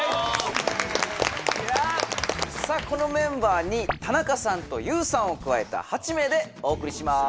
さあこのメンバーに田中さんとＹＯＵさんを加えた８名でお送りします。